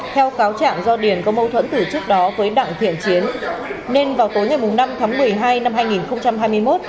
theo cáo trạng do điền có mâu thuẫn từ trước đó với đặng thiện chiến nên vào tối ngày năm tháng một mươi hai năm hai nghìn hai mươi một